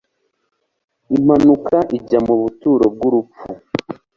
Imanuka ijya mu buturo bwurupfu